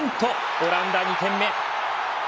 オランダ、２点目！